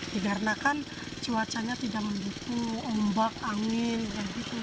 dikarenakan cuacanya tidak mendukung ombak angin